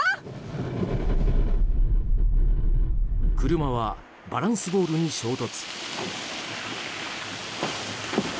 車はバランスボールに衝突。